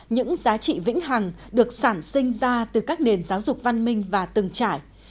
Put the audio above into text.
những giá trị vĩnh hằng được sản sinh ra từ các nền giáo dục văn minh và từng trải